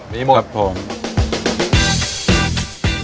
มีทุกชนิด